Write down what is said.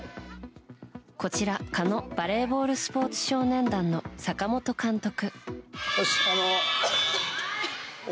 こちら鹿野バレーボール少年団の坂本監督。